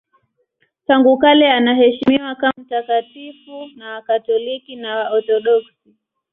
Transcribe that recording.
Tangu kale anaheshimiwa kama mtakatifu na Wakatoliki na Waorthodoksi.